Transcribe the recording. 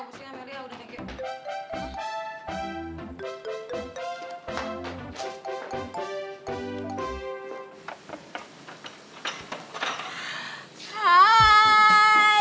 oh pusingan melly aku udah nge git